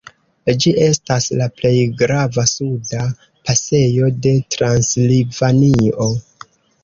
Ĝi estas la plej grava suda pasejo de Transilvanio.